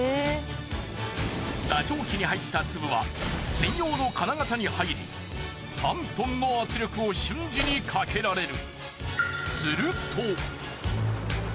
打錠機に入った粒は専用の金型に入り３トンの圧力を瞬時にかけられる。